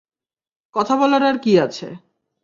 কথা বলার আর কী আছে?